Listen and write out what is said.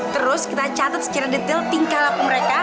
terus kita catat secara detail tingkah laku mereka